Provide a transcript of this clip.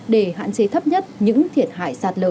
để hạn chế thấp nhất những thiệt hại sạt lở gây ra